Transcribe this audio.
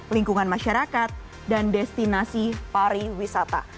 lingkungan masyarakat dan destinasi pariwisata